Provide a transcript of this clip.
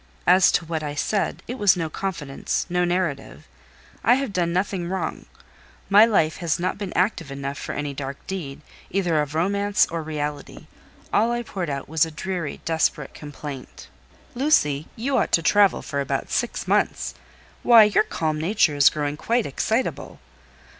As to what I said, it was no confidence, no narrative. I have done nothing wrong: my life has not been active enough for any dark deed, either of romance or reality: all I poured out was a dreary, desperate complaint." "Lucy, you ought to travel for about six months: why, your calm nature is growing quite excitable!